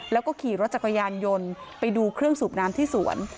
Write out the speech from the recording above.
แล้วก็ขี่รถจักรยานยนต์ไปดูเครื่องสูบน้ำที่สวน